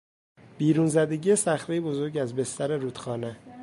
بیرون زدگی صخرهای بزرگ از بستر رودخانه